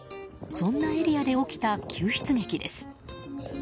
そんなエリアで起きた救出劇です。